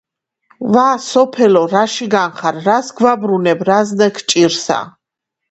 ვა, სოფელო რაშიგან ხარ, რას გვაბრუნებ, რა ზნე გჭირსა